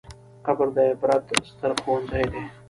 قبر د عبرت ستر ښوونځی دی.